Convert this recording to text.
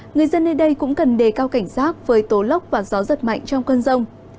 người dân nơi đây cũng cần đề cao cảnh giác với tố lốc và gió giật mạnh trong cơn rông